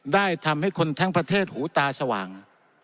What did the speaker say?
ได้ทำให้คนทั้งประเทศหูตาสว่าง